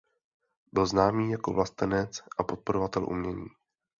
Byl známý jako vlastenec a podporovatel umění.